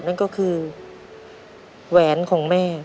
นั่นก็คือแหวนของแม่